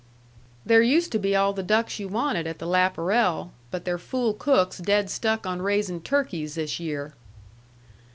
"There used to be all the ducks you wanted at the Laparel, but their fool cook's dead stuck on raising turkeys this year."